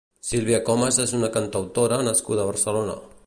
Sílvia Comes és una cantautora nascuda a Barcelona.